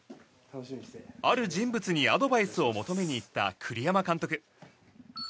ある人物にアドバイスを求めに行った栗山監督。